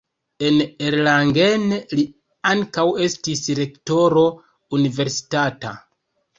En Erlangen li ankaŭ estis rektoro universitata.